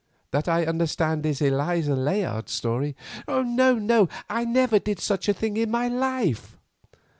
That, I understand, is Eliza Layard's story." "No, no; I never did such a thing in my life."